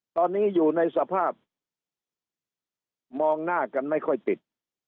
ตอนนี้อยู่ในสภาพมองหน้ากันไม่ค่อยติด